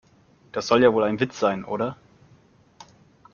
Das soll ja wohl ein Witz sein, oder?